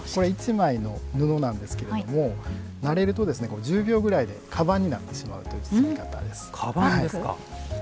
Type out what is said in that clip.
１枚の布なんですけれども慣れると１０秒ぐらいでかばんになってしまうという包み方です。